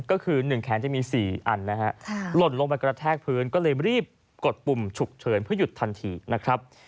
ก็คือ๑แขนจะมี๔อันนะฮะหล่นลงไปกระแทกพื้นก็เลยรีบกดปุ่มฉุกเฉินเพื่อหยุดทันทีนะครับ